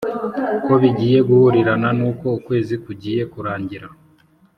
ko bigiye guhurirana nuko ukwezi kugiye kurangira